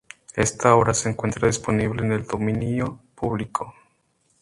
Esta obra se encuentra disponible en el dominio público.